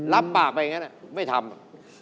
รับปากแบบนั้นไม่ทำ